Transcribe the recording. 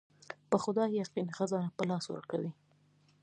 په خدای يقين خزانه په لاس ورکوي.